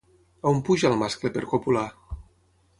On puja el mascle per copular?